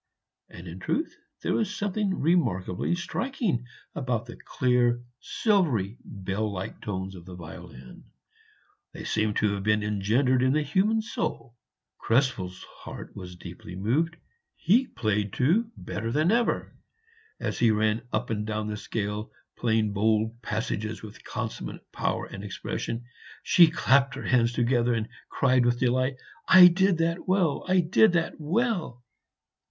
And, in truth, there was something remarkably striking about the clear, silvery, bell like tones of the violin; they seemed to have been engendered in the human soul. Krespel's heart was deeply moved; he played, too, better than ever. As he ran up and down the scale, playing bold passages with consummate power and expression, she clapped her hands together and cried with delight, "I did that well! I did that well."